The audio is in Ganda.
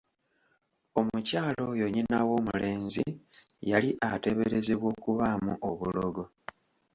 Omukyala oyo nnyina w'omulenzi yali ateeberezebwa okubaamu obulogo!